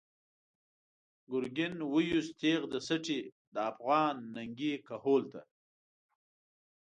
“گرگین” ویوست تیغ د سټی، د افغان ننگی کهول ته